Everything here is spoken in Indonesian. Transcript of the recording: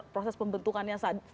proses pembentukannya saat